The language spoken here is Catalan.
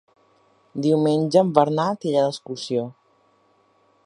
Diumenge en Bernat irà d'excursió.